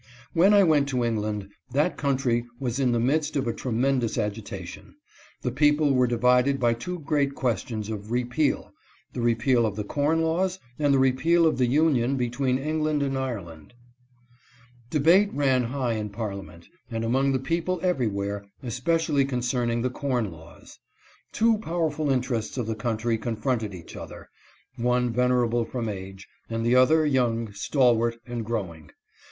When I went to England that country was* in the midst of a tremendous agitation. ^The people were divided by two great questions of " Repeal "— the repeal' of the corn laws and the repeal of the union between England and Ireland. Debate ran high in Parliament and among the people everywhere, especially concerning the corn laws. Two powerful interests of the country confronted each other — one venerable from age, and the other young, stalwart, and growing.